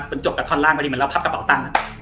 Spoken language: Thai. เป็นจบกับท่อนล่างพอดีมันแล้วพับกระเป๋าตั้งอ่ะ